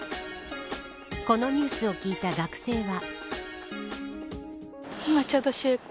このニュースを聞いた学生は。